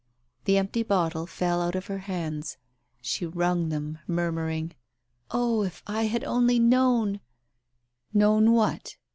The empty bottle fell out of her hands. She wrung them, murmuring — "Oh, if I had only known